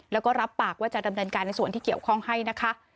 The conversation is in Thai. แล้วก็รับปากว่าจะดำเนินการในส่วนที่เกี่ยวข้องให้นะคะ